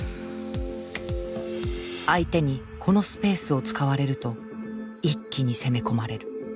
相手にこのスペースを使われると一気に攻め込まれる。